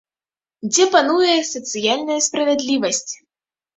Дзе пануе сацыяльная справядлівасць?